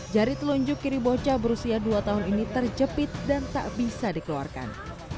jari telunjuk kiri bocah berusia dua tahun ini terjepit dan tak bisa dikeluarkan